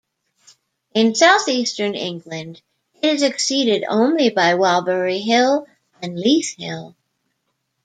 In southeastern England it is exceeded only by Walbury Hill and Leith Hill.